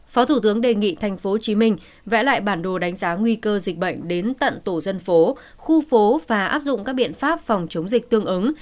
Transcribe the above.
phó thủ tướng đề nghị tp hcm vẽ lại bản đồ đánh giá nguy cơ dịch bệnh đến tận tổ dân phố khu phố và áp dụng các biện pháp phòng chống dịch tương ứng